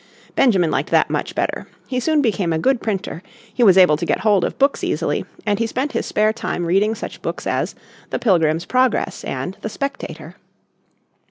Benjamin liked that much better. He soon became a good printer, he was able to get hold of books easily, and he spent his spare time reading such books as the "Pilgrim's Progress" and the "Spectator."